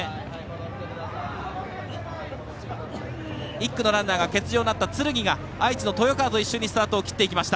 １区のランナーが欠場になったつるぎが愛知の豊川と一緒に出ていきました。